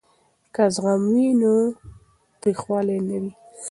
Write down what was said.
که زغم وي نو تریخوالی نه وي.